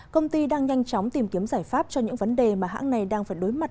công ty đang nhanh chóng tìm kiếm giải pháp cho những vấn đề mà hãng này đang phải đối mặt